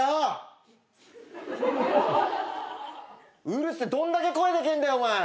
うるせえどんだけ声でけえんだよお前。